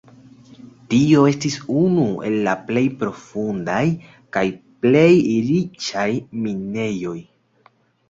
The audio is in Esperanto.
Tio estis unu el la plej profundaj kaj plej riĉaj minejoj.